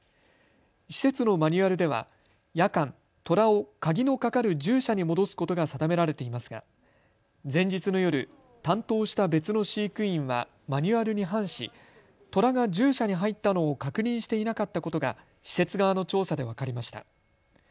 施設のマニュアルでは夜間、トラを鍵のかかる獣舎に戻すことが定められていますが前日の夜、担当した別の飼育員はマニュアルに反しトラが獣舎に入ったのを確認していなかったことが施設側の調査で分かりました。